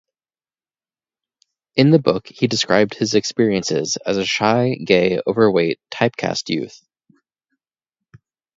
In the book, he described his experiences as a shy, gay, overweight, typecast youth.